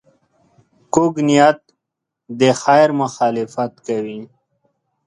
کوږ نیت د خیر مخالفت کوي